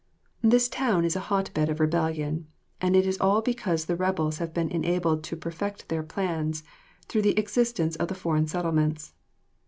This town is a hotbed of rebellion, and it is all because the rebels have been enabled to perfect their plans through the existence of the foreign settlements.